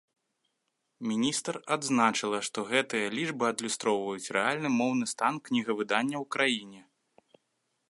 Міністр адзначыла, што гэтыя лічбы адлюстроўваюць рэальны моўны стан кнігавыдання ў краіне.